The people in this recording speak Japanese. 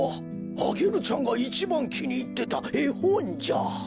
アゲルちゃんがいちばんきにいってたえほんじゃ。